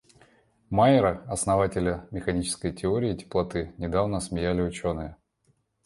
Мейера, основателя механической теории теплоты, недавно осмеяли ученые.